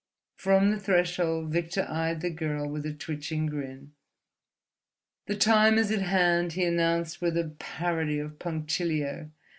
From the threshold Victor eyed the girl with a twitching grin. "The time is at hand," he announced with a parody of punctilio.